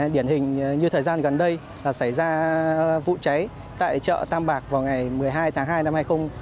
điển hình như thời gian gần đây là xảy ra vụ cháy tại chợ tam bạc vào ngày một mươi hai tháng hai năm hai nghìn hai mươi